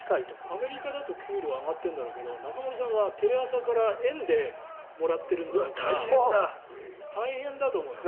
アメリカだと給料上がってるんだろうけど中丸さんはテレ朝から円でもらっているだろうから大変だと思うよ。